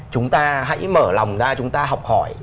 chúng ta hãy mở lòng ra chúng ta học hỏi